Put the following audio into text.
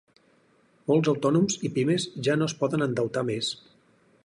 Molts autònoms i pimes ja no es poden endeutar més.